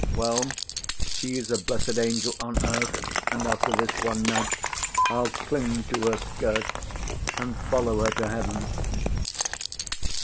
Well, she's a blessed angel on earth; and after this one night I'll cling to her skirts and follow her to heaven."